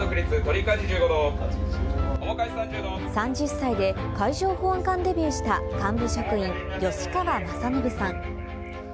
３０歳で海上保安官デビューした幹部職員・吉川政伸さん。